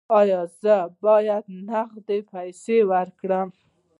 ایا زه باید نغدې پیسې ورکړم؟